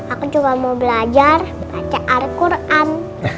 aku cuma mau belajar baca al quran